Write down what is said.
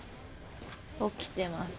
起きてます。